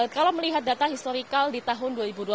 kalau melihat data historical di tahun dua ribu dua puluh